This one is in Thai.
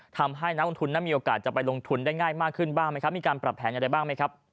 ทำให้นักลงทุนนั้นมีโอกาสจะไปลงทุนได้ง่ายมากขึ้นบ้างไหมครับมีการปรับแผนอย่างไรบ้างไหมครับ